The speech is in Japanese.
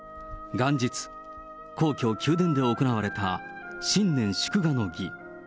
元日、皇居・宮殿で行われた新年祝賀の儀。